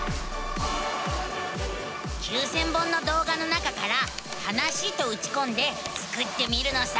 ９，０００本の動画の中から「はなし」とうちこんでスクってみるのさ。